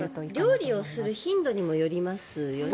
料理をする頻度にもよりますよね。